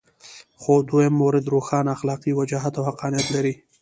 خو دویم مورد روښانه اخلاقي وجاهت او حقانیت لري.